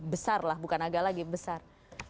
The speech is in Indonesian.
besar lah bukan agak lagi besar